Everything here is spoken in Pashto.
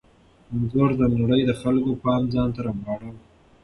انځور د نړۍ د خلکو پام ځانته را اړوي.